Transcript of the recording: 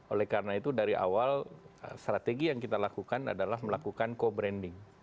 oleh karena itu dari awal strategi yang kita lakukan adalah melakukan co branding